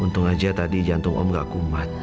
untung aja tadi jantung om gak kumat